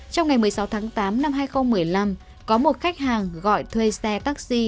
trong ngày một mươi sáu tháng tám năm hai nghìn một mươi năm có một khách hàng gọi thuê xe taxi